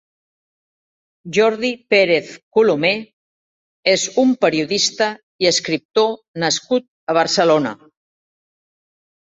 Jordi Pérez Colomé és un periodista i escriptor nascut a Barcelona.